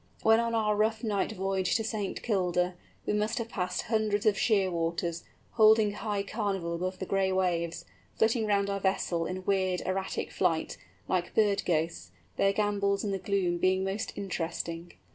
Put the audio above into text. When on our rough night voyage to St. Kilda, we must have passed hundreds of Shearwaters, holding high carnival above the gray waters, flitting round our vessel in weird, erratic flight, like bird ghosts, their gambols in the gloom being most interesting.